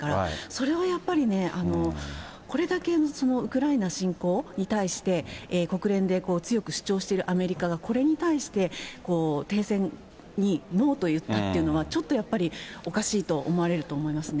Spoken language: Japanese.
それはやっぱりね、これだけウクライナ侵攻に対して国連で強く主張しているアメリカが、これに対して、停戦にノーと言ったというのは、ちょっとやっぱり、おかしいと思われると思いますね。